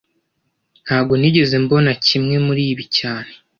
Ntago nigeze mbona kimwe muribi cyane